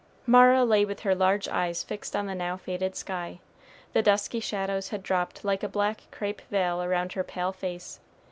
Mara lay with her large eyes fixed on the now faded sky. The dusky shadows had dropped like a black crape veil around her pale face.